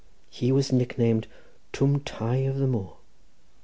He was nicknamed Tum Tai of the Moor.